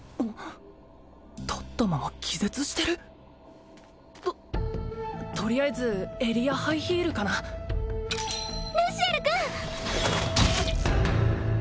立ったまま気絶してる？ととりあえずエリアハイヒールかなルシエル君！